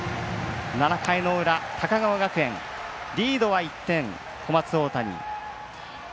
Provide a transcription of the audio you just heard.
７回の裏、高川学園リードは１点、小松大谷。